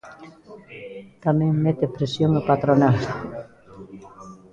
Tamén mete presión a patronal.